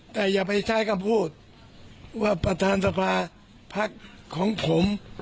แต่อย่าไปใช้คำพูดว่าประธานสภาพของผม